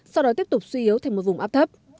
sau đó tiếp tục suy yếu thành một vùng áp thấp